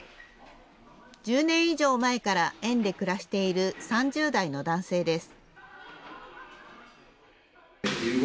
１０年以上前から園で暮らしている３０代の男性です。